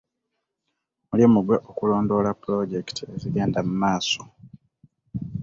Mulimu gwe okulondoola pulojekiti ezigenda mu maaso.